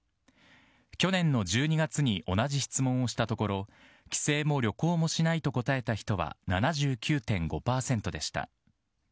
去年の１２月に同じ質問をしたところ帰省も旅行もしないと答えた人は７９．５％でした。